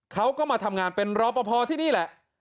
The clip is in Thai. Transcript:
เขาก็มาทำงานเป็นรอปภที่นี่แหละ